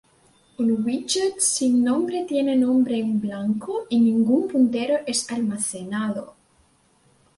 Un "widget" sin nombre tiene nombre en blanco y ningún puntero es almacenado.